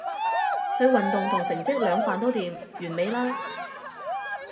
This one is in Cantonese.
佢運動同成績兩瓣都掂，完美啦